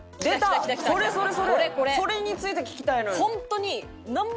それについて聞きたいのよ。